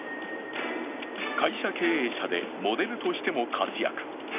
会社経営者でモデルとしても活躍。